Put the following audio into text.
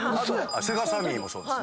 セガサミーもそうですね。